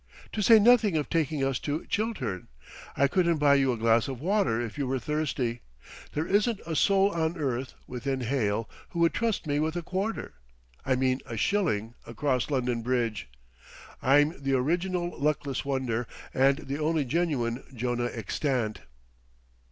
" to say nothing of taking us to Chiltern. I couldn't buy you a glass of water if you were thirsty. There isn't a soul on earth, within hail, who would trust me with a quarter I mean a shilling across London Bridge. I'm the original Luckless Wonder and the only genuine Jonah extant."